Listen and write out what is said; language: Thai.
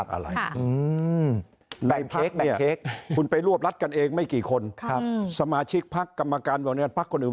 แบ่งเค้กคุณไปรวบรัดกันเองไม่กี่คนสมาชิกพักกรรมการบริหารพักคนอื่น